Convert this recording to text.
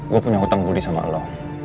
gue punya hutang budi sama allah